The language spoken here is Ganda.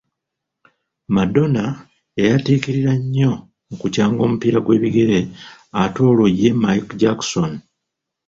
Mardona yayatiikirira nnyo mu kukyanga omupiira gw’ebigere ate olwo ye Michel Johnson?